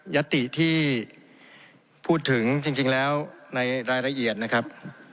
ยัตติที่พูดถึงจริงแล้วในรายละเอียดนะครับ